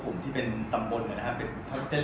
ส่วนใหญ่ก่อนหน้านี้ก็เป็นอุมทนอุมทนต่าง